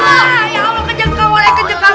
ya allah kejek kau ya kejek kau